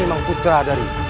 ibu nda ketering manik